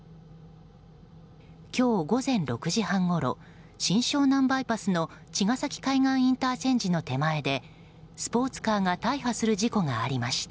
今日午前６時半ごろ新湘南バイパスの茅ヶ崎海岸ＩＣの手前でスポーツカーが大破する事故がありました。